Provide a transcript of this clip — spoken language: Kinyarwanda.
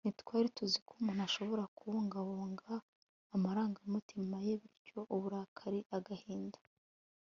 ntitwari tuzi ko umuntu ashobora kubungabunga amarangamutima ye, bityo uburakari, agahinda